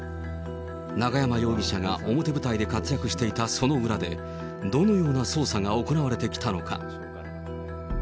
永山容疑者が表舞台で活躍していたその裏で、どのような捜査が行われてきたのか。